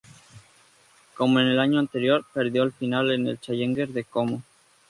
Como en el año anterior, perdió el final en el Challenger de Como.